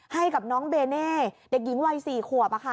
ให้กับน้องเบเน่เด็กหญิงวัย๔ขวบ